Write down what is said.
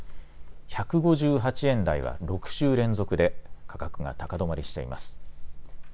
１５８円台は６週連続で、価格が高止まりしています。